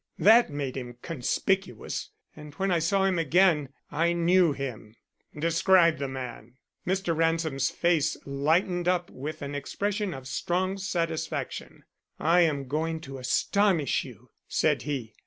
That made him conspicuous and when I saw him again I knew him." "Describe the man." Mr. Ransom's face lightened up with an expression of strong satisfaction. "I am going to astonish you," said he.